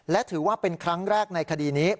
และถือว่าเป็นครั้งแรกในคดีนี้